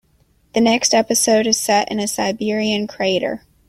The next episode is set in a Siberian crater.